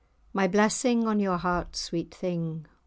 My blessing on your heart, sweet thing!